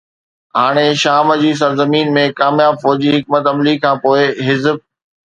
هاڻي شام جي سرزمين ۾ ڪامياب فوجي حڪمت عملي کانپوءِ حزب